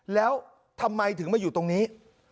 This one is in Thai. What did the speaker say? แล้วทำไมถึงมาอยู่ตรงนี้